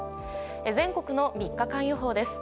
全国の３日間予報です。